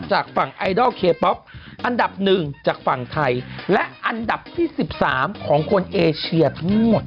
จากฝั่งไอดอลเคป๊อปอันดับ๑จากฝั่งไทยและอันดับที่๑๓ของคนเอเชียทั้งหมด